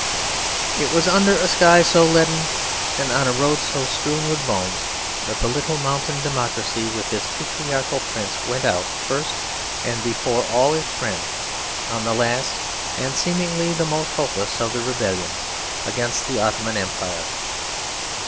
It was under a sky so leaden and on a road so strewn with bones that the little mountain democracy with its patriarchal prince went out, first and before all its friends, on the last and seemingly the most hopeless of the rebellions against the Ottoman Empire.